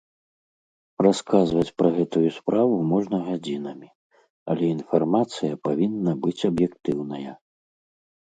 Расказваць пра гэтую справу можна гадзінамі, але інфармацыя павінна быць аб'ектыўная.